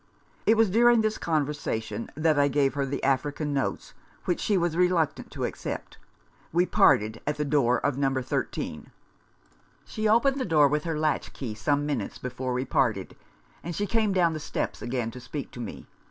It was during this conver sation that I gave her the African notes, which she was reluctant to accept. We parted at the door of No. 13. "She opened the door with her latch key some minutes before we parted ; and she came down the steps again to speak to me.